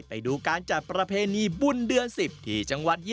ไปดูการจัดประเพณีบุญเดือน๑๐ที่จังหวัด๒๐